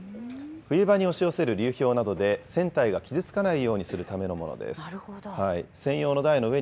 冬場に押し寄せる流氷などで、船体が傷つかないようにするためのものです。